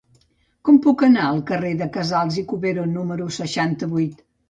Com puc anar al carrer de Casals i Cuberó número seixanta-vuit?